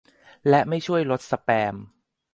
และไม่ช่วยลดสแปม